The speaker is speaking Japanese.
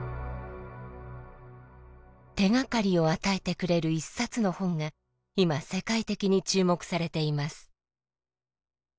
手がかりを与えてくれる１冊の本が今世界的に注目されています。